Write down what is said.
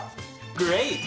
グレート！